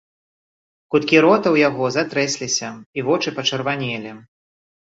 Куткі рота ў яго затрэсліся і вочы пачырванелі.